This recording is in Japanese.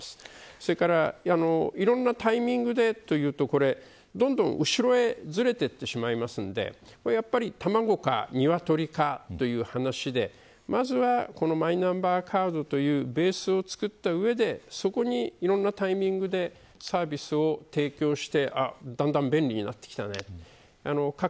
それからいろんなタイミングで、というとどんどん後ろへずれていってしまうのでやっぱり卵か鶏かという話でまずはこのマイナンバーカードを作った上でいろいろなタイミングでサービスを提供してだんだん便利になってきた。